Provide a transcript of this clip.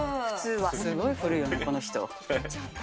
すごい古いよね、この人。